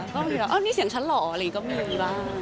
ก็มีแบบอ้าวนี่เสียงฉันเหรออะไรอย่างนี้ก็มีบ้าง